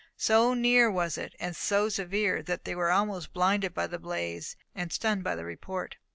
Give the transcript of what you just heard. So near was it, and so severe, that they were almost blinded by the blaze, and stunned by the report.